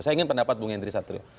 saya ingin pendapat bung hendry satrio